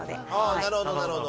なるほど、なるほど。